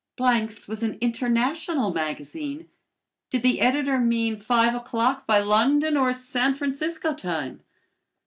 Blank's was an international magazine. Did the editor mean five o'clock by London or San Francisco time?